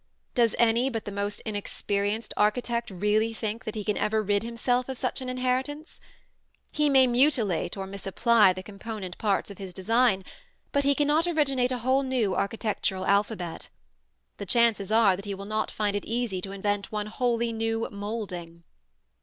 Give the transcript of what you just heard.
Does any but the most inexperienced architect really think that he can ever rid himself of such an inheritance? He may mutilate or misapply the component parts of his design, but he cannot originate a whole new architectural alphabet. The chances are that he will not find it easy to invent one wholly new moulding.